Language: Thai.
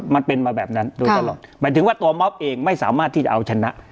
มันเป็นมาแบบนั้นโดยตลอดหมายถึงว่าตัวมอบเองไม่สามารถที่จะเอาชนะ